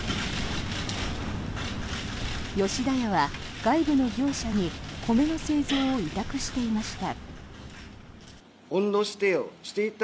吉田屋は外部の業者に米の製造を委託していました。